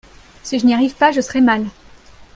si je n'y arrive pas je serai mal.